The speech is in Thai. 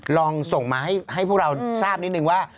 ลองส่งมาให้พวกเราทราบนิดนึงว่า